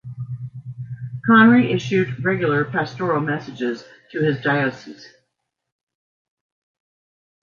Conry issued regular pastoral messages to his diocese.